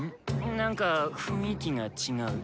なんか雰囲気が違う。